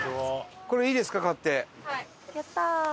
やったー！